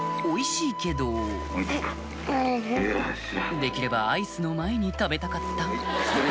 おいしいけどできればアイスの前に食べたかった